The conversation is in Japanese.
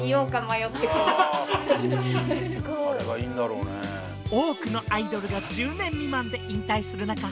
そう多くのアイドルが１０年未満で引退する中